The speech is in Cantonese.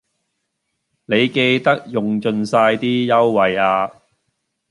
你記得用盡晒啲優惠呀